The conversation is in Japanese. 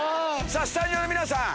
スタジオの皆さん！